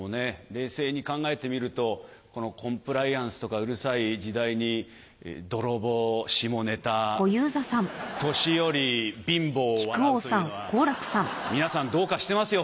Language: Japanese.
冷静に考えてみるとこのコンプライアンスとかうるさい時代に泥棒下ネタ年寄り貧乏を笑うというのは皆さんどうかしてますよ